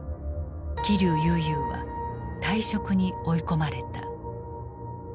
桐生悠々は退職に追い込まれた。